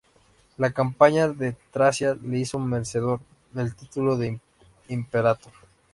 La campaña de Tracia le hizo merecedor del título de "imperator".